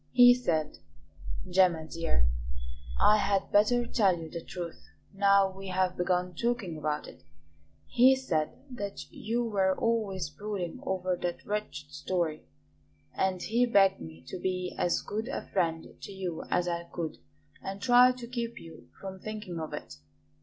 He said Gemma, dear, I had better tell you the truth, now we have begun talking about it he said that you were always brooding over that wretched story, and he begged me to be as good a friend to you as I could and try to keep you from thinking of it.